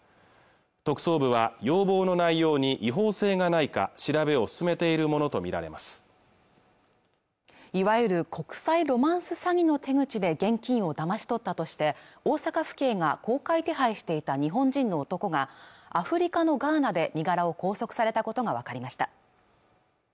特捜部は要望の内容に違法性がないか調べを進めているものと見られますいわゆる国際ロマンス詐欺の手口で現金をだまし取ったとして大阪府警が公開手配していた日本人の男がアフリカのガーナで身柄を拘束されたことが分かりました